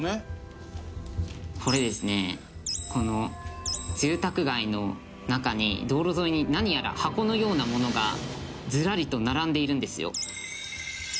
これですねこの住宅街の中に道路沿いに何やら箱のようなものがずらりと並んでいるんですよ。